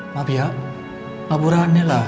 maaf ya ngaburannya lah